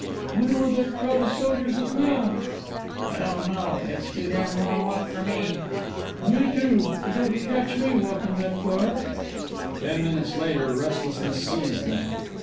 "Wonder where that crowda sojers is now?" "I don't know. I know that's too damn long to walk for me." "Me too. You don't catch me walkin' that far." Ten minutes later restlessness seized them.